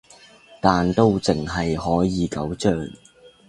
但都淨係可以九張